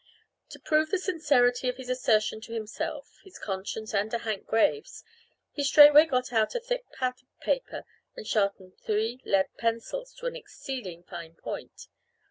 To prove the sincerity of his assertion to himself, his conscience, and to Hank Graves, he straightway got out a thick pad of paper and sharpened three lead pencils to an exceeding fine point.